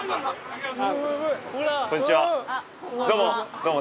どうも。